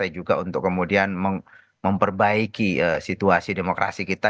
juga untuk kemudian memperbaiki situasi demokrasi kita